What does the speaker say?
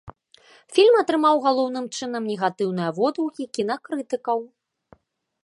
Фільм атрымаў галоўным чынам негатыўныя водгукі кінакрытыкаў.